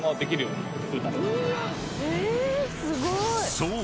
［そう。